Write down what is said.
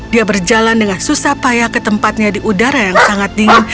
dia berjalan dengan susah payah ke tempatnya di udara yang sangat dingin